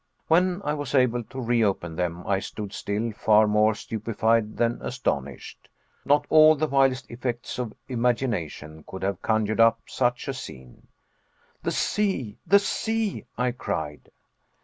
When I was able to reopen them, I stood still, far more stupefied than astonished. Not all the wildest effects of imagination could have conjured up such a scene! "The sea the sea," I cried.